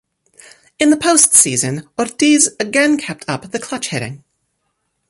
In the postseason, Ortiz again kept up the clutch hitting.